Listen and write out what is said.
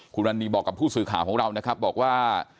คุณวันนี้บอกกับผู้สื่อข่าวของเรานะครับบอกว่า